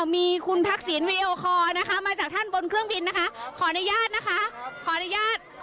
มีคุณทักษิณเมลโคมาจากท่านผู้ใส่เครื่องบินนะคะขออนุญาตนะคะขออนุญาต